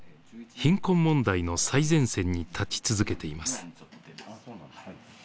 貧困問題の最前線に立ち続けています。